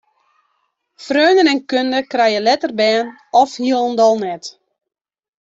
Freonen en kunde krije letter bern of hielendal net.